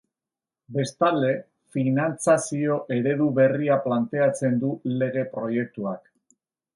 Bestalde, finantzazio eredu berria planteatzen du lege-proiektuak.